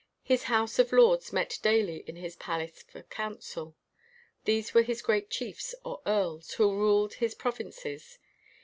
His House of Lords met daily in his palace for counsel. These were his great chiefs or earls, who ruled his prov inces.